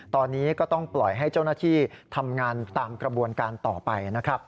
ตอนนี้ก็ต้องปล่อยให้เจ้าหน้าที่ทำงานตามกระบวนการต่อไปนะครับ